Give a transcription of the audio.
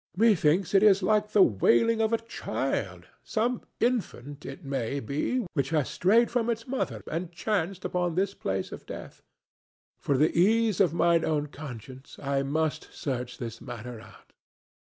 "Methinks it is like the wailing of a child—some infant, it may be, which has strayed from its mother and chanced upon this place of death. For the ease of mine own conscience I must search this matter out."